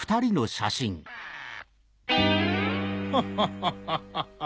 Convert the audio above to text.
ハハハハ。